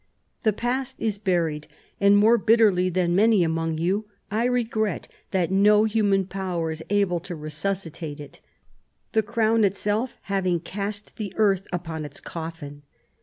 The past is buried, and, more bitterly than many among you, I regret that no human power is able to resuscitate it, the Crown itself having cast the earth upon its coffin.